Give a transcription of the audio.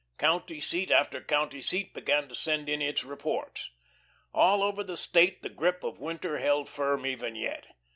County seat after county seat began to send in its reports. All over the State the grip of winter held firm even yet.